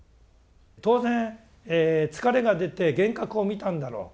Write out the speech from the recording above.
当然疲れが出て幻覚を見たんだろう